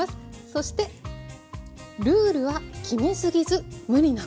そして「ルールは決めすぎず無理なく！」。